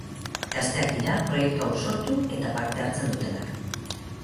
Gazteak dira proiektu hau sortu eta parte hartzen dutenak.